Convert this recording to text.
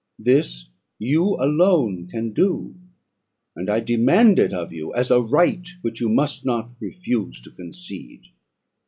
This you alone can do; and I demand it of you as a right which you must not refuse to concede."